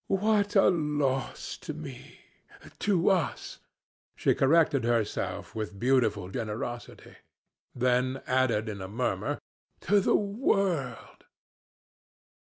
"'What a loss to me to us!' she corrected herself with beautiful generosity; then added in a murmur, 'To the world.'